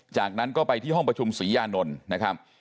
จากนั้นก็ไปที่ห้องประชุมศรียานนท์นะครับ